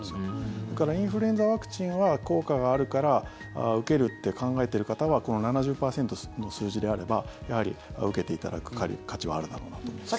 だからインフルエンザワクチンは効果があるから受けるって考えてる方はこの７０％の数字であればやはり受けていただく価値はあるだろうなと思います。